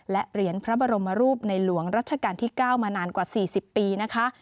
และเหรียญพระบรมรูปในหลวงรัชกาลที่๙มานานกว่า๔๐ปีนะคะ